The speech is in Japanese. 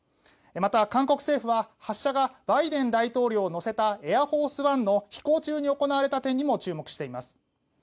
また、韓国政府は発射がバイデン大統領を乗せたエアフォース・ワンの飛行中に行われた点にも注目しています。